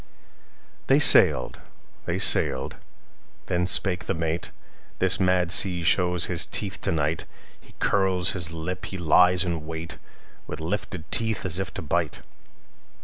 They sailed. They sailed. Then spake the mate:"This mad sea shows his teeth to night. He curls his lip, he lies in wait, With lifted teeth, as if to bite!